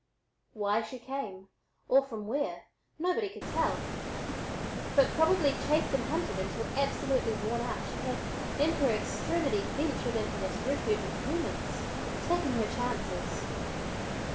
Why she came, or from where, nobody could tell, but probably chased and hunted until absolutely worn out, she had in her extremity ventured into this refuge of humans, taking her chances.